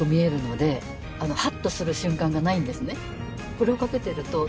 これをかけてるとさあ